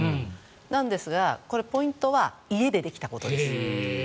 なんですがポイントは家でできたことです。